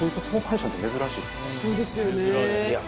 そうですよね。